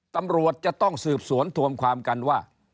ตำรวจจะต้องสืบสวนทวมความกันว่า